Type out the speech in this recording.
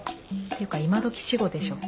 っていうか今どき死語でしょ